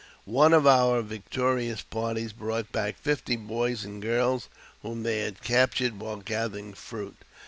One of our victorious parties brought back fifty boys and] girls whom they had captured while gathering fruit.